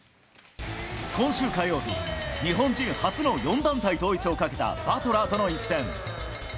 今週火曜日、日本人初の４団体統一をかけたバトラーとの一戦。